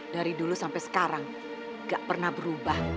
dari dulu sampai sekarang gak pernah berubah